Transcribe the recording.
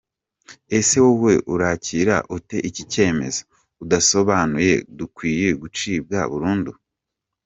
Ese wowe urakira ute iki cyemezo? Udusobanuye dukwiye gucibwa burundu? .